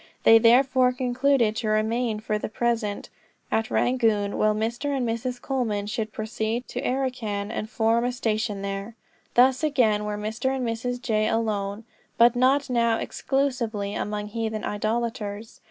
They therefore concluded to remain for the present at Rangoon; while Mr. and Mrs. Colman should proceed to Arracan and form a station there. Thus again were Mr. and Mrs. J. alone; but not now exclusively among heathen idolaters.